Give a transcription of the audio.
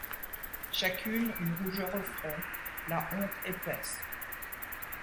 Chacune une rougeur au front ; la honte épaisse